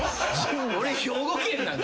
俺兵庫県なんで。